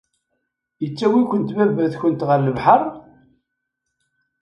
Yettawi-kent baba-tkent ɣer lebḥer?